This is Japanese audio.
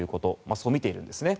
そう見ているんですね。